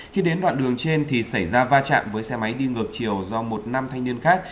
khi đến đoạn đường trên thì xảy ra va chạm với xe máy đi ngược chiều do một nam thanh niên khác